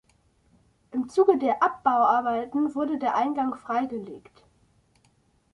Im Zuge der Abbauarbeiten wurde der Eingang freigelegt.